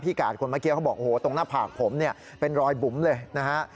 กาดคนเมื่อกี้เขาบอกโอ้โหตรงหน้าผากผมเนี่ยเป็นรอยบุ๋มเลยนะฮะ